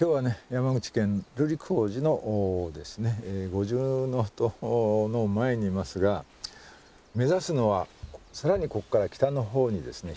山口県瑠璃光寺の五重塔の前にいますが目指すのは更にここから北の方にですね